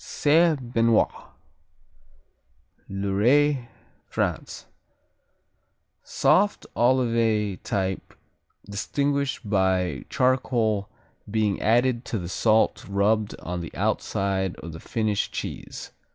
Saint Benoit Loiret, France Soft Olivet type distinguished by charcoal being added to the salt rubbed on the outside of the finished cheese.